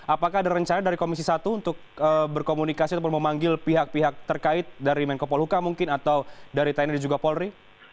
apakah ada rencana dari komisi satu untuk berkomunikasi atau memanggil pihak pihak terkait dari menko polhuka mungkin atau dari tni dan juga polri